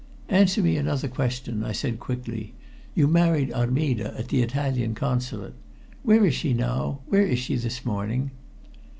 "Answer me another question," I said quickly. "You married Armida at the Italian Consulate. Where is she now where is she this morning?"